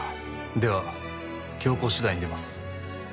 では強硬手段に出ます。